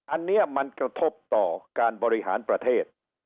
อันนี้มันกระทบต่อการบริหารประเทศ